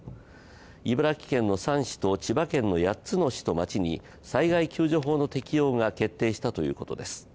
茨城県の３市と千葉県の８つの市と町に災害救助法の適用が決定したということです。